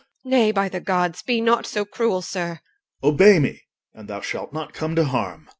Nay, by the Gods! be not so cruel, sir! OR. Obey me and thou shalt not come to harm.